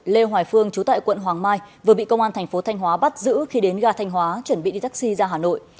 lê hoài phương trú tại quận hoàng mai vừa bị công an thành phố thanh hóa bắt giữ khi đến ga thanh hóa chuẩn bị đi taxi ra hà nội